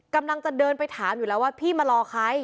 กำลังจะเดินไปถามอยู่แล้วว่าพี่มารอใคร